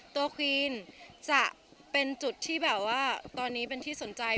ตัวควินจะเป็นจุดที่แบบว่า